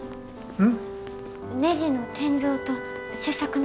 うん。